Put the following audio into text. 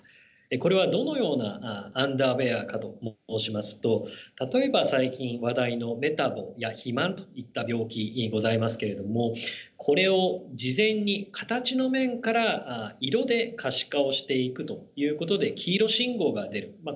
これはどのようなアンダーウエアかと申しますと例えば最近話題のメタボや肥満といった病気ございますけれどもこれを事前に形の面から色で可視化をしていくということで黄色信号が出るまあ